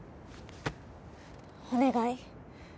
お願い。